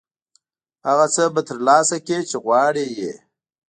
هغه څه به ترلاسه کړې چې غواړې یې.